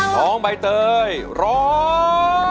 น้องใบเตยร้อง